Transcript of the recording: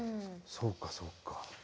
そうかそうか。